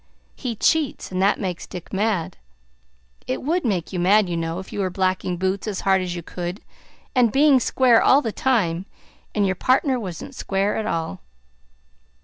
He cheats, and that makes Dick mad. It would make you mad, you know, if you were blacking boots as hard as you could, and being square all the time, and your partner wasn't square at all.